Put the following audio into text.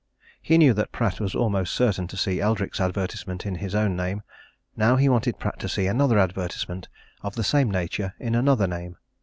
He knew that Pratt was almost certain to see Eldrick's advertisement in his own name; now he wanted Pratt to see another advertisement of the same nature in another name.